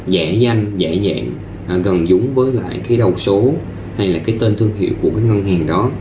giả danh giả dạng gần giống với lại cái đầu số hay là cái tên thương hiệu của cái ngân hàng đó